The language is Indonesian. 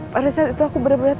pada saat itu aku benar benar